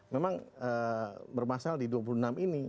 memang bermasalah di dua puluh enam ini